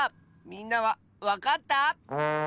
みんなはわかった？